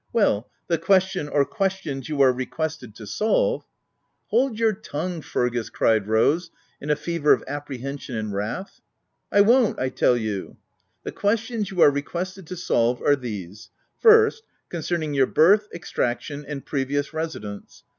Well, the question, or questions you are requested to solve. —*'" Hold your tongue, Fergus l" cried Rose, in a fever of apprehension and wrath. 120 THE TENANT "I won't I tell yo^i The questions you are requested to solve are these :— First, concerning your birth, extraction, and previous residence.